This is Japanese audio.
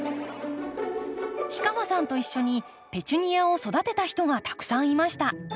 氷川さんと一緒にペチュニアを育てた人がたくさんいました。